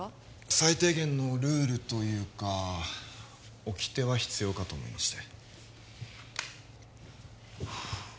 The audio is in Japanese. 最低限のルールというか掟は必要かと思いまして